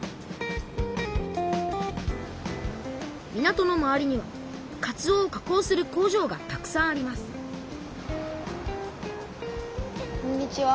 港の周りにはかつおを加工する工場がたくさんありますこんにちは。